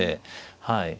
はい。